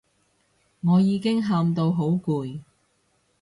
我已經喊到好攰